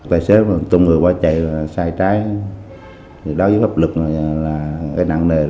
tài xế tôn người qua chạy là sai trái đối với pháp lực là nặng nề